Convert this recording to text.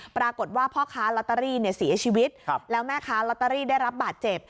ปรากฏว่าพ่อค้าลอตเตอรี่เสียชีวิตแล้วแม่ค้าลอตเตอรี่ได้รับบาดเจ็บ